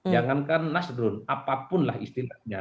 jangankan nasdun apapunlah istilahnya